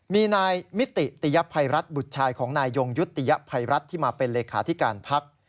มีนายมิติติยภัยรัฐบุตรชายของนายยงยุติยภัยรัฐที่มาเป็นเลขาธิการพัก